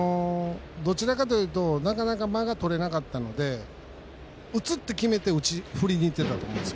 どちらかというとなかなか間がとれなかったので打つって決めて振りにいってたと思うんです。